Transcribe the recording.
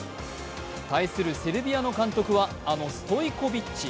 対するセルビアの監督はあのストイコビッチ。